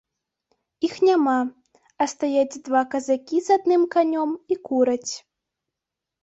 Іх няма, а стаяць два казакі з адным канём і кураць.